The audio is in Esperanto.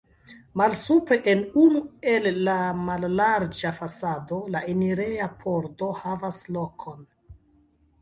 Malsupre en unu el la mallarĝa fasado la enireja pordo havas lokon.